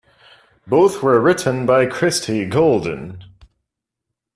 Both were written by Christie Golden.